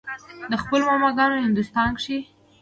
د خپلو ماما ګانو هندوستان کښې